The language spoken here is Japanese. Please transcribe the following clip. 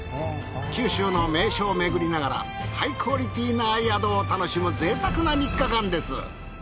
九州の名所を巡りながらハイクオリティーな宿を楽しむぜいたくな３日間です。